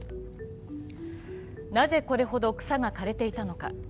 なぜこれほど草が枯れていたのか。